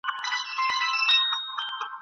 ایا ګوند واک په لاس کي ونیو؟